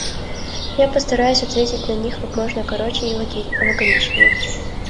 Я постараюсь ответить на них как можно короче и лаконичнее.